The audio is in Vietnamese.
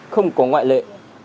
không có ngoại lệ